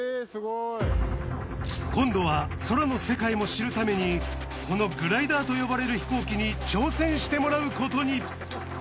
今度は空の世界も知るためにこのグライダーと呼ばれる飛行機に挑戦してもらうことに！